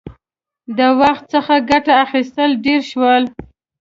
• د وخت څخه ګټه اخیستل ډېر شول.